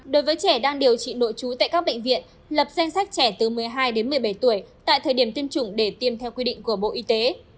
đối với trẻ đang điều trị nội trú tại các bệnh viện lập danh sách trẻ từ một mươi hai đến một mươi bảy tuổi tại thời điểm tiêm chủng để tiêm theo quy định của bộ y tế